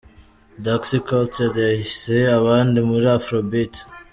Daxx Kartel yahize abandi muri Afro Beat.